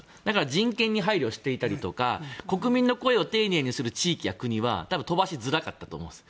人権に配慮していたりとか国民の声を丁寧に配慮する国は多分、飛ばしづらかったと思います。